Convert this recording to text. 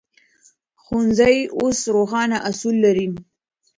ښوونځي اوس روښانه اصول لري.